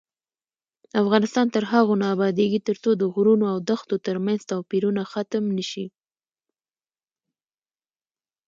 افغانستان تر هغو نه ابادیږي، ترڅو د غرونو او دښتو ترمنځ توپیرونه ختم نشي.